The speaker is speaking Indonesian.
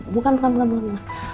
bukan bukan bukan